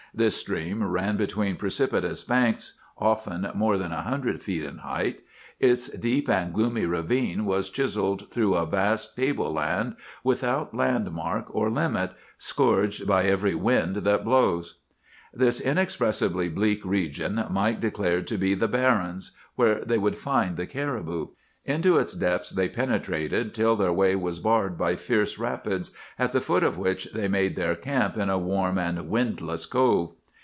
This stream ran between precipitous banks, often more than a hundred feet in height. Its deep and gloomy ravine was chiselled through a vast table land without landmark or limit, scourged by every wind that blows. "This inexpressibly bleak region Mike declared to be 'the barrens,' where they would find the caribou. Into its depths they penetrated till their way was barred by fierce rapids, at the foot of which they made their camp in a warm and windless cove.